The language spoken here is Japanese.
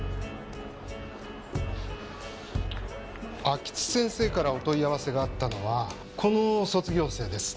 安芸津先生からお問い合わせがあったのはこの卒業生です。